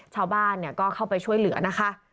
ชาวบ้านก็เข้าไปช่วยเหลือนะคะ